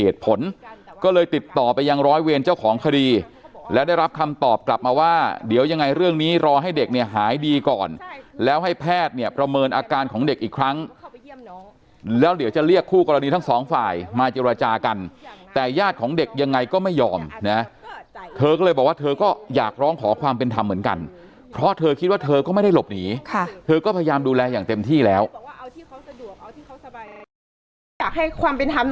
ที่รอให้เด็กเนี่ยหายดีก่อนแล้วให้แพทย์เนี่ยประเมินอาการของเด็กอีกครั้งแล้วเดี๋ยวจะเรียกคู่กรณีทั้งสองฝ่ายมาเจรจากันแต่ญาติของเด็กยังไงก็ไม่ยอมนะเธอก็เลยบอกว่าเธอก็อยากร้องขอความเป็นธรรมเหมือนกันเพราะเธอคิดว่าเธอก็ไม่ได้หลบหนีค่ะเธอก็พยายามดูแลอย่างเต็มที่แล้ว